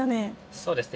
そうですね。